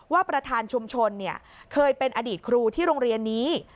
ประธานชุมชนเคยเป็นอดีตครูที่โรงเรียนนี้